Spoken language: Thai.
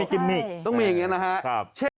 ต้องมีอย่างนี้นะฮะ